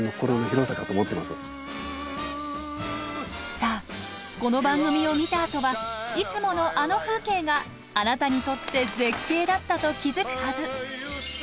さあこの番組を見たあとはいつものあの風景があなたにとって「絶景」だったと気付くはず。